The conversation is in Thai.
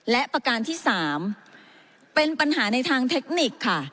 และประการที่๓เป็นปัญหาในทางเทคนิคค่ะ